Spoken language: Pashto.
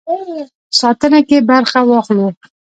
ساتنه کې برخه واخلو.